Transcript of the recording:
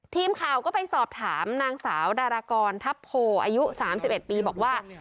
ทีมข่าวก็ไปสอบถามนางสาวดารากรทัพโพอายุ๓๑ปีบอกว่า